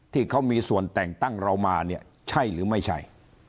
ที่เขามีส่วนแต่งตั้งเรามาเนี่ยใช่หรือไม่ใช่